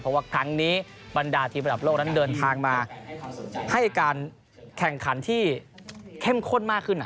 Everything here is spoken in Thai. เพราะว่าครั้งนี้บรรดาทีมระดับโลกนั้นเดินทางมาให้การแข่งขันที่เข้มข้นมากขึ้น